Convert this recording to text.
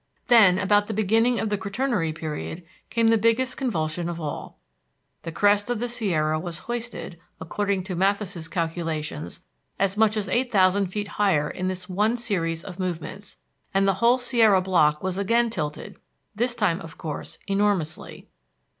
Then, about the beginning of the Quaternary Period, came the biggest convulsion of all. The crest of the Sierra was hoisted, according to Matthes's calculations, as much as eight thousand feet higher in this one series of movements, and the whole Sierra block was again tilted, this time, of course, enormously.